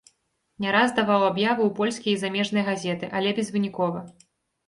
Не раз даваў аб'явы ў польскія і замежныя газеты, але безвынікова.